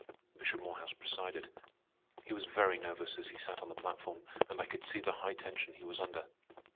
Bishop Morehouse presided. He was very nervous as he sat on the platform, and I could see the high tension he was under.